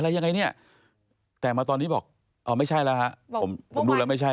อะไรยังไงเนี่ยแต่มาตอนนี้บอกเอาไม่ใช่แล้วฮะผมผมดูแล้วไม่ใช่